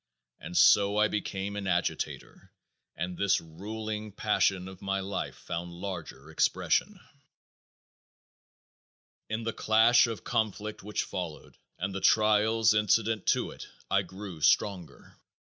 And so I became an agitator and this ruling passion of my life found larger expression. In the clash of conflict which followed and the trials incident to it I grew stronger.